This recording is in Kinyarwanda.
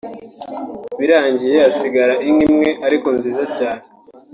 Birangiye hasigara inka imwe ariko nziza cyane